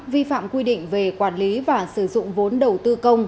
vi phạm quy định về quản lý và sử dụng vốn đầu tư công